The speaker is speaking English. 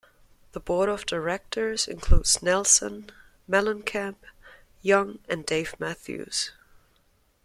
The board of directors includes Nelson, Mellencamp, Young, and Dave Matthews.